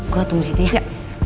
gue tunggu disitu ya